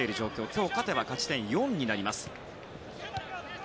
今日、勝てば勝ち点４になります。